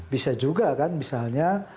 bisa juga kan misalnya